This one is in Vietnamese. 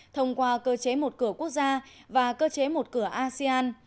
thông qua cơ chế một cửa quốc gia và cơ chế một cửa asean